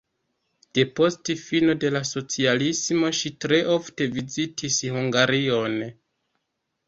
Depost fino de la socialismo ŝi tre ofte vizitis Hungarion.